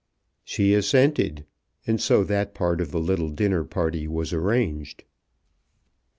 She assented, and so that part of the little dinner party was arranged.